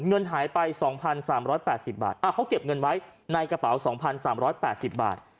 เงินหายไปสองพันสามร้อยแปดสิบบาทอ่ะเขาเก็บเงินไว้ในกระเป๋าสองพันสามร้อยแปดสิบบาท